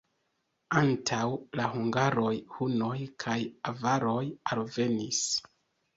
Antaŭ la hungaroj hunoj kaj avaroj alvenis.